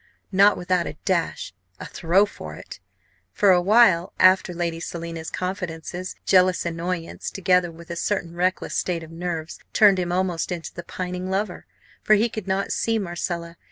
not without a dash a throw for it! For a while, after Lady Selina's confidences, jealous annoyance, together with a certain reckless state of nerves, turned him almost into the pining lover. For he could not see Marcella.